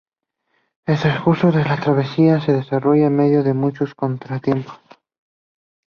El transcurso de la travesía se desarrolla en medio de muchos contratiempos.